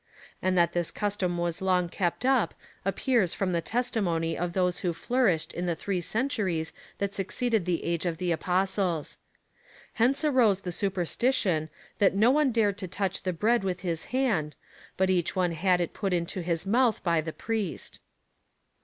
And that this cus tom was long kej)t up appears from the testimony of those who flourished in the three centuries that succeeded the age of the Apostles. Hence arose the superstition, that no one dared to touch the bread with his hand, but each one had it put into his mouth by the priest.